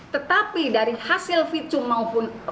tetapi dari hasil visum tidak ada yang menyebabkan itu